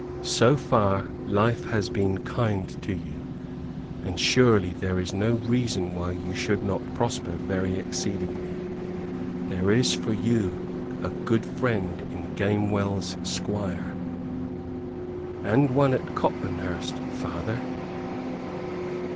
So far, life has been kind to you, and surely there is no reason why you should not prosper very exceedingly. There is for you a good friend in Gamewell's Squire." "And one also at Copmanhurst, father."